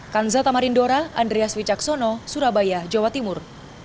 kanza tamarindora andreas wicaksono surabaya jawa timur